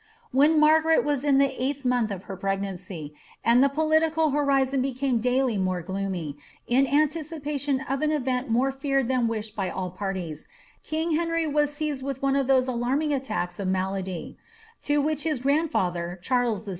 When Margaret was in the eighth month of her pregnancy, and the political horizon became daily more gloomy, in anticipation of an event more feared than wished by all parties, king Henry was seized with one of those alarming attacks of malady, to which his grandfather, Charles VI.